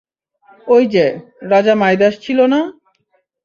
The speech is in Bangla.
ওই যে, রাজা মাইদাস ছিলো না?